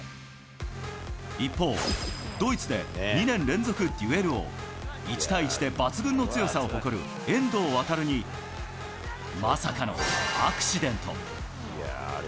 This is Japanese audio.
一方、ドイツで２年連続デュエル王、１対１で抜群の強さを誇る遠藤航に、まさかのアクシデント。